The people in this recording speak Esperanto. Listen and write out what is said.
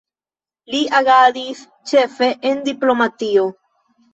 Li agadis ĉefe en diplomatio.